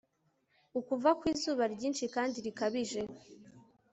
ukuva kw'izuba ryinshi kandi rikabije